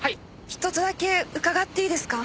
一つだけ伺っていいですか？